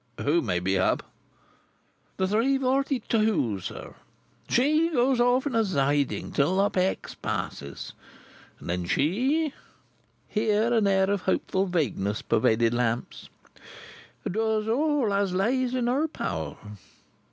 "Who may be up?" "The three forty two, sir. She goes off in a sidin' till the Up X passes, and then she," here an air of hopeful vagueness pervaded Lamps, "doos all as lays in her power."